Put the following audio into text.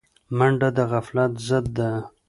منډه د غفلت ضد ده